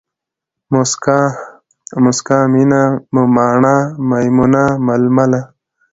موسکا ، مُسکا، مينه ، مماڼه ، ميمونه ، ململه